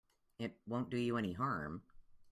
It won't do you any harm.